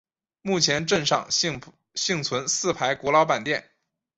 目前镇上幸存四排古老板店。